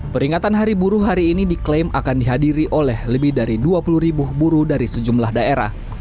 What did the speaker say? peringatan hari buruh hari ini diklaim akan dihadiri oleh lebih dari dua puluh ribu buruh dari sejumlah daerah